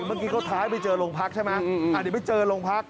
เมื่อกี้เขาท้ายไปเจอโรงพักใช่ไหมเดี๋ยวไปเจอโรงพัก